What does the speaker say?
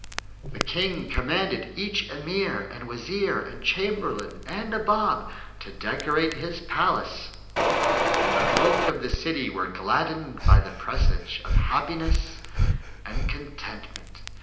The King commanded each Emir and Wazir and Chamberlain and Nabob to decorate his palace, and the folk of the city were gladdened by the presage of happiness and contentment.